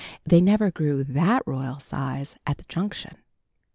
They never grew that royal size at the Junction.